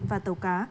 và tàu cá